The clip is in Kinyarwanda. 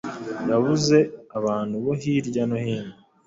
Yavuze abantu bo hirya no hino